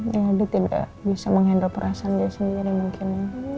dia tidak bisa menghandle perasaan dia sendiri mungkin